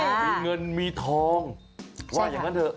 มีเงินมีทองว่าอย่างนั้นเถอะ